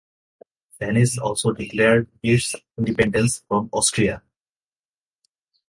Venice also declared its independence from Austria.